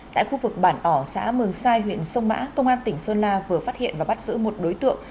tại khu vực bản ỏ xã mường sai huyện sông mã công an tỉnh sơn la vừa phát hiện và bắt giữ một đối tượng